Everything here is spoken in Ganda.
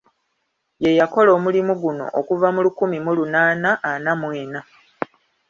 Ye yakola omulimu guno okuva mu lukumi mu lunaana ana mu ena.